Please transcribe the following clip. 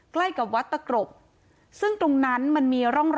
ใกล้กับวัดตะกรบซึ่งตรงนั้นมันมีร่องรอย